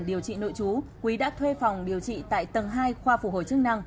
điều trị nội chú quý đã thuê phòng điều trị tại tầng hai khoa phục hồi chức năng